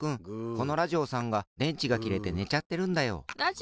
このラジオさんがでんちがきれてねちゃってるんだよ。